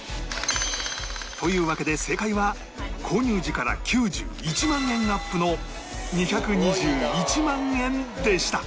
というわけで正解は購入時から９１万円アップの２２１万円でした